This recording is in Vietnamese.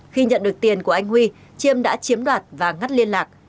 khi nhận được tiền của anh huy chiêm đã chiếm đoạt và ngắt liên lạc